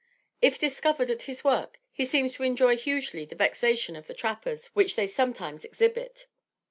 If discovered at his work, he seems to enjoy hugely the vexation of the trappers which they sometimes exhibit.